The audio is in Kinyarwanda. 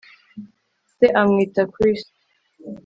Se amwita Chris